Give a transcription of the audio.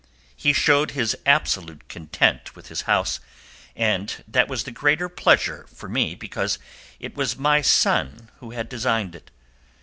He showed his absolute content with his house, and that was the greater pleasure for me because it was my son who designed it.